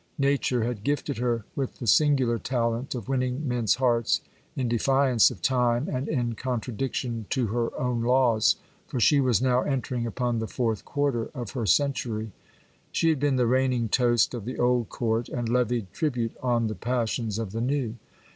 Nuture had gifted her with the singular talent of winning men's hearts in defi ance of time, and in contradiction to her own laws; for she was now entering upon the fourth quarter of her century. She had been the reigning toast of the old court, and levied tribute on the passions of the new.